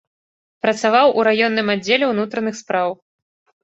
Працаваў у раённым аддзеле ўнутраных спраў.